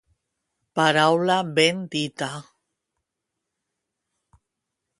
Paraula ben dita.